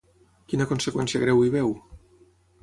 Quina conseqüència greu hi veu?